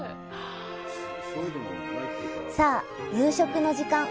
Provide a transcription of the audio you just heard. さあ、夕食の時間。